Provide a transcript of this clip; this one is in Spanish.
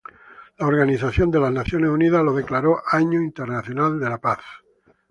La Organización de las Naciones Unidas lo declaró Año Internacional de la Paz.